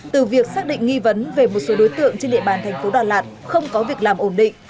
từ việc xác định nghi vấn về một số đối tượng trên địa bàn thành phố đà lạt không có việc làm ổn định